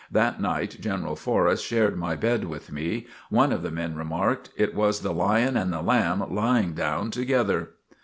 That night General Forrest shared my bed with me. One of the men remarked: "It was the lion and the lamb lying down together."